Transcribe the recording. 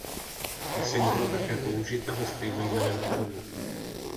Píseň byla také použita ve stejnojmenném filmu.